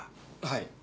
はい。